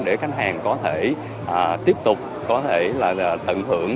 để khách hàng có thể tiếp tục có thể là thận hưởng